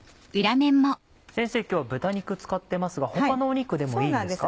先生今日は豚肉使ってますが他の肉でもいいんですか？